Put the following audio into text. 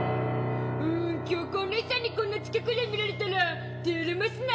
うん京子お姉さんにこんな近くで見られたら照れますな！